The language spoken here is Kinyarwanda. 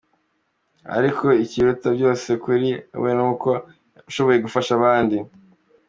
Ariko ikiruta byose kuri we ni uko yashoboye gufasha abandi.